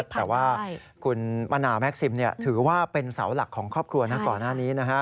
แต่ว่าคุณมณาแม็กซิมถือว่าเป็นเสาหลักของครอบครัวหน้านี้